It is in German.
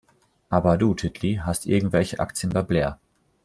Aber Du, Titley, hast irgendwelche Aktien bei Blair.